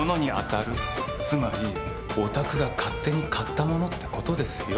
つまりお宅が勝手に買ったものってことですよ。